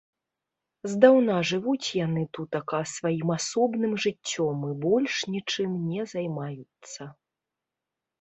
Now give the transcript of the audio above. Здаўна жывуць яны тутака сваім асобным жыццём і больш нічым не займаюцца.